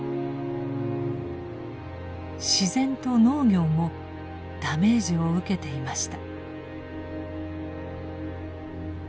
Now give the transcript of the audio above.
自然と農業もダメージを受けていました。